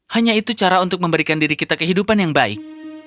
hanya itu cara untuk memberikan diri kita kehidupan yang baik